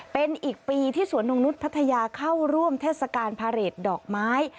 เป็นอีกปีที่สวนนงนุษย์พัทยาเข้าร่วมเทศกาลพาเรทดอกไม้